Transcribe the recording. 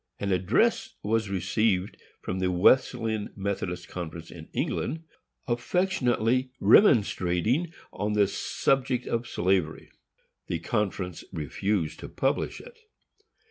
An address was received from the Wesleyan Methodist Conference in England, affectionately remonstrating on the subject of slavery. The Conference refused to publish it.